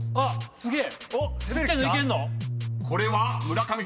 すげえ。